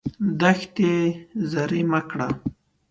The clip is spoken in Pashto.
دښتې زرعي مه کړه.